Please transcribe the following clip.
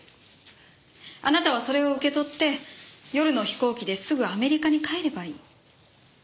あなたはそれを受け取って夜の飛行機ですぐアメリカに帰ればいい。